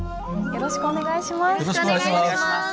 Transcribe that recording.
よろしくお願いします。